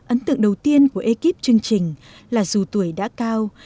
ấn tượng đầu tiên của ekip chương trình là dù tuổi đã cao